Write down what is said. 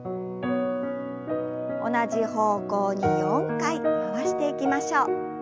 同じ方向に４回回していきましょう。